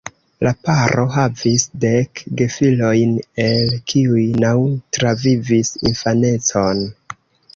La paro havis dek gefilojn, el kiuj naŭ travivis infanecon.